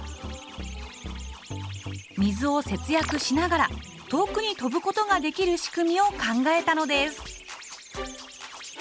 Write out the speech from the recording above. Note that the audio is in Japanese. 水を節約しながら遠くに飛ぶことができる仕組みを考えたのです。